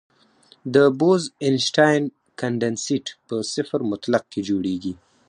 د بوز-اینشټاین کنډنسیټ په صفر مطلق کې جوړېږي.